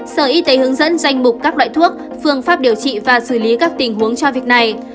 sở y tế hướng dẫn danh mục các loại thuốc phương pháp điều trị và xử lý các tình huống cho việc này